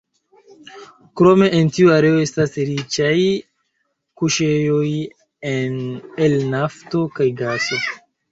Krome en tiu areo estas riĉaj kuŝejoj el nafto kaj gaso.